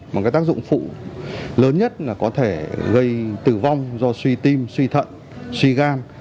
một cái tác dụng phụ lớn nhất là có thể gây tử vong do suy tim suy thận suy gan